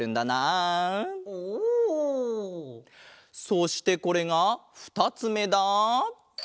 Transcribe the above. そしてこれがふたつめだ！